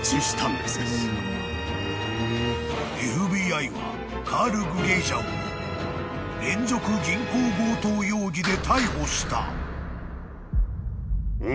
［ＦＢＩはカール・グゲイジャンを連続銀行強盗容疑で］